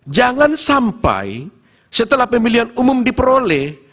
jangan sampai setelah pemilihan umum diperoleh